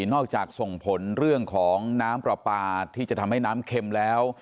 นอกจากส่งผลเรื่องของน้ำปลาปลาที่จะทำให้น้ำเค็มแล้ว